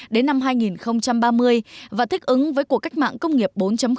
đến năm hai nghìn ba mươi và thích ứng với cuộc cách mạng công nghiệp bốn